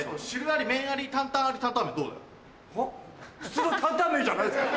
普通の担々麺じゃないっすか。